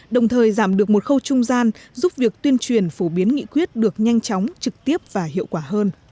đồng thời giảm được một khâu trung gian giúp việc tuyên truyền phổ biến nghị quyết được nhanh chóng trực tiếp và hiệu quả hơn